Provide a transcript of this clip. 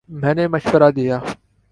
میں نے مشورہ دیا